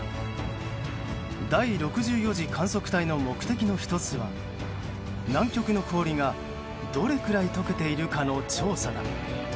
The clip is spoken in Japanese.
第６４次観測隊の目的の１つは南極の氷がどれくらい解けているかの調査だ。